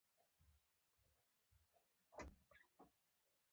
• ته د ژوند رنګینې هیلې یې.